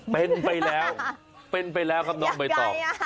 เป็นไปแล้วเป็นไปแล้วครับน้องใบตอง